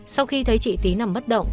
sau khi thấy chị tí nằm bất động